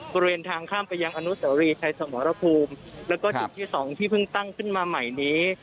บริเวณทางข้ามไปยังอนุสวรีชัยสมรภูมิแล้วก็จุดที่สองที่เพิ่งตั้งขึ้นมาใหม่นี้